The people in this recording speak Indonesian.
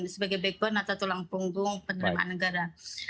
sebagai background atau tulang punggung penerimaan negara